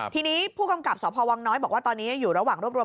ทีนี้ผู้กำกับสพวังน้อยบอกว่าตอนนี้อยู่ระหว่างรวบรวม